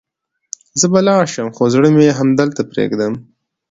زه به لاړ شم، خو زړه مې همدلته پرېږدم.